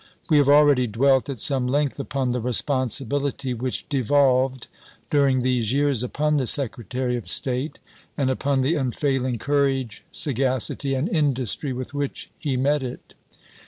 We have already dwelt at some length upon the responsibility which de volved during these years upon the Secretary of State, and upon the unfailing courage, sagacity, and industry with which he met it.